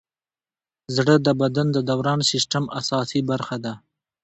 زړه د بدن د دوران سیسټم اساسي برخه ده.